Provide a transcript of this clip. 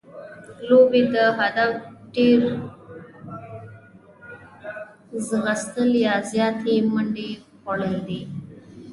د لوبي هدف ډېر ځغستل يا زیاتي منډي جوړول دي.